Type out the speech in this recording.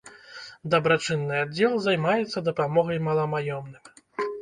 Дабрачынны аддзел займаецца дапамогай маламаёмным.